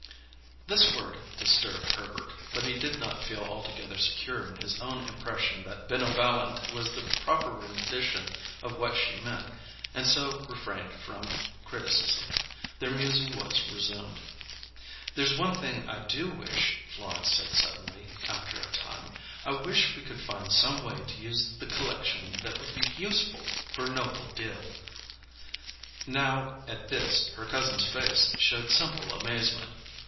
This word disturbed Herbert, but he did not feel altogether secure in his own impression that "benovvalent" was the proper rendition of what she meant, and so refrained from criticism. Their musing was resumed. "There's one thing I do wish," Florence said suddenly, after a time. "I wish we could find some way to use the c'lection that would be useful for Noble Dill." Now, at this, her cousin's face showed simple amazement.